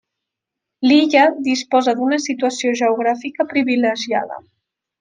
Lilla disposa d'una situació geogràfica privilegiada.